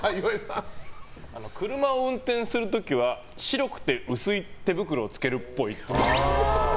車を運転する時は白くて薄い手袋をつけるっぽい。